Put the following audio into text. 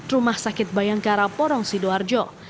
rumah sakit bayangkara porong sidoarjo